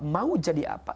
mau jadi apa